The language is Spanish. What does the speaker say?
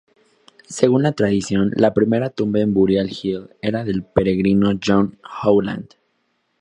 Según la tradición, la primera tumba en Burial Hill era del peregrino John Howland.